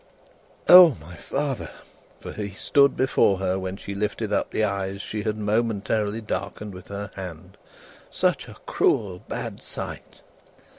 "O my father!" for he stood before her when she lifted up the eyes she had momentarily darkened with her hand; "such a cruel, bad sight."